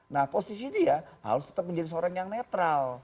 nah posisi dia harus tetap menjadi seorang yang netral